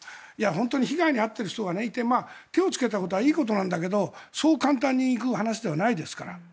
本当に被害に遭っている人がいて手をつけたことはいいことなんだけどそう簡単にいく話ではないですから。